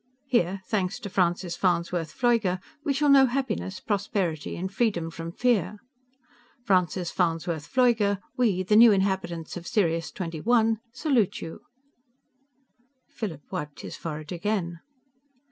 Here, thanks to Francis Farnsworth Pfleuger, we shall know happiness prosperity and freedom from fear._ FRANCIS FARNSWORTH PFLEUGER, WE, THE NEW INHABITANTS OF SIRIUS XXI, SALUTE YOU! Philip wiped his forehead again.